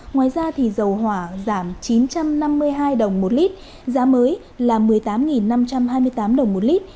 ngoài ra dầu hỏa giảm chín trăm năm mươi hai đồng một lít giá mới là một mươi tám năm trăm hai mươi tám đồng một lít